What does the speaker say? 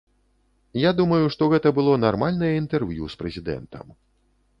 Я думаю, што гэта было нармальнае інтэрв'ю з прэзідэнтам.